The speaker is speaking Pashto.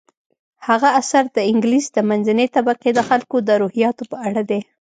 هغه اثر د انګلیس د منځنۍ طبقې د خلکو د روحیاتو په اړه دی.